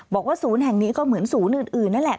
บอกว่าศูนย์แห่งนี้ก็เหมือนศูนย์อื่นนั่นแหละ